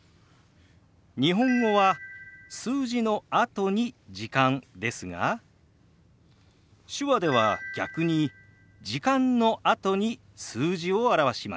日本語は数字のあとに「時間」ですが手話では逆に「時間」のあとに数字を表します。